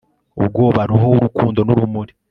ubwoba, roho w'urukundo n'urumuri